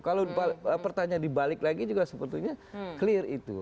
kalau pertanyaan dibalik lagi juga sebetulnya clear itu